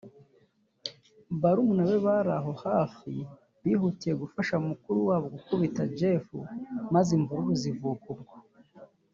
Barumuna be bari hafi aho bihutiye gufasha mukuru wabo gukubita Jeff maze imvururu zivuka ubwo